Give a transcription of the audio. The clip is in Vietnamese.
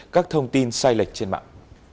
các thông tin sai lệch trên mạng